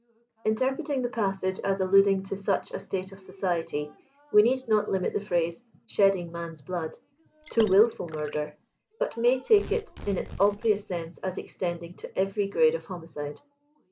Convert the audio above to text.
'* 132 Interpreting the passage as alluding to such a state of society, vre need not limit the phrase shedding man's blood,'* to wilful murder, but may take it in its obvious sense as extending to every grade of homicide.